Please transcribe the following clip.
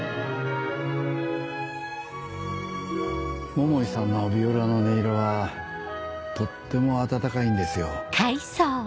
桃井さんのヴィオラの音色はとっても温かいんですよ